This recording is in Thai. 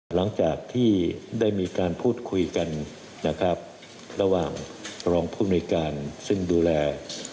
หลังจากที่ได้มีการพูดคุยกันนะครับระหว่างรองผู้มนุยการซึ่งดูแล